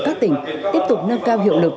các tỉnh tiếp tục nâng cao hiệu lực